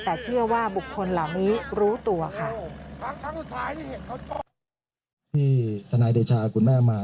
แต่เชื่อว่าบุคคลเหล่านี้รู้ตัวค่ะ